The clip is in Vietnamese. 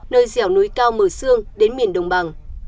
nơi dẻo núi cao mở xương đến miền đồng bằng